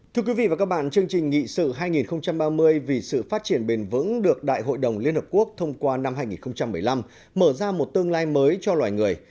thưa quý vị và các bạn chương trình nghị sự hai nghìn ba mươi vì sự phát triển bền vững được đại hội đồng liên hợp quốc thông qua năm hai nghìn một mươi năm mở ra một tương lai mới cho loài người